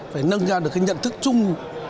phải nâng ra được cái nhận thức chung